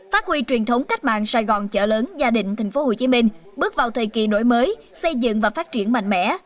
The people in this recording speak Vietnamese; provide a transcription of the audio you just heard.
phát huy truyền thống cách mạng sài gòn chợ lớn gia định tp hcm bước vào thời kỳ đổi mới xây dựng và phát triển mạnh mẽ